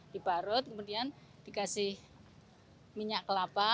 di parut kemudian dikasih minyak kelapa